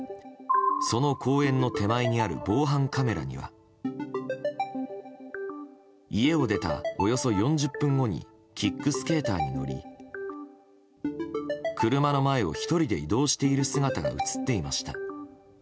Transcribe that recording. その公園の手前にある防犯カメラには家を出たおよそ４０分後にキックスケーターに乗り車の前を１人で移動している姿が映っていました。